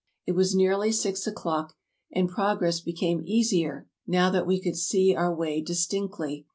It was nearly six o'clock, and progress became easier now that we could see our way distinctly.